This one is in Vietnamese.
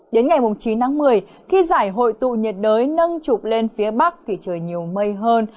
đến ngày chín tháng một mươi khi giải hội tụ nhiệt đới nâng trục lên phía bắc thì trời nhiều mây hơn